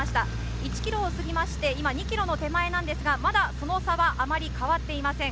１ｋｍを過ぎて、今２ｋｍの手前ですが、まだその差はあまり変わっていません。